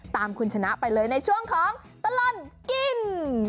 คุณชนะไปเลยในช่วงของตลอดกิน